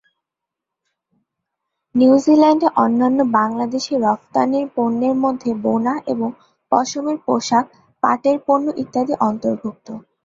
নিউজিল্যান্ডে অন্যান্য বাংলাদেশি রফতানির পণ্যের মধ্যে বোনা এবং পশমের পোশাক, পাটের পণ্য ইত্যাদি অন্তর্ভুক্ত।